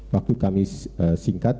waktu kami singkat